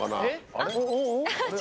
あれ？